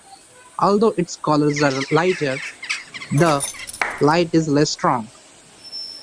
Although its colors are lighter, the light is less strong.